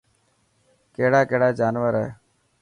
ڪهڙا ڪهڙا جانور هي.